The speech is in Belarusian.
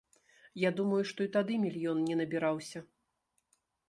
Я думаю, што і тады мільён не набіраўся.